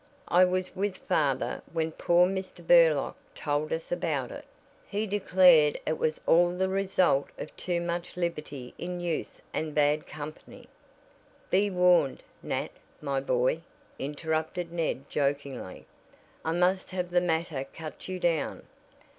I was with father when poor Mr. Burlock told us about it. He declared it was all the result of too much liberty in youth and bad company?" "Be warned, Nat, my boy," interrupted Ned, jokingly. "I must have the mater cut you down.